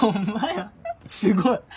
すごい！